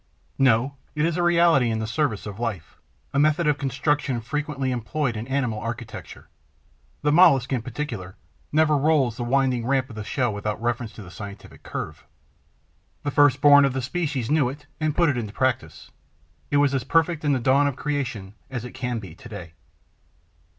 No, it is a reality in the service of life, a method of construction frequently employed in animal architecture. The Mollusc, in particular, never rolls the winding ramp of the shell without reference to the scientific curve. The first born of the species knew it and put it into practice; it was as perfect in the dawn of creation as it can be to day.